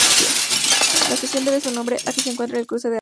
La estación debe su nombre a que se encuentra en el cruce de "Av.